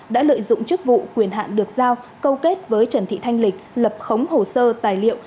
đã lợi dụng chức vụ quyền hạn được giao câu kết với trần thị thanh lịch lập khống hồ sơ tài liệu